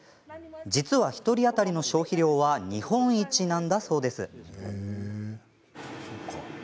実は、１人当たりの消費量は日本一なんだそうです。